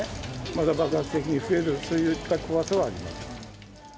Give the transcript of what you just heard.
また爆発的に増える、そういう怖さはあります。